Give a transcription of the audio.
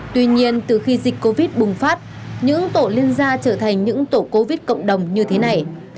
tuy nhiên từ khi dịch covid bùng phát những tổ liên gia trở thành những tổ covid cộng đồng như thế này